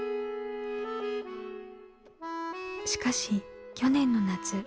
しかし去年の夏。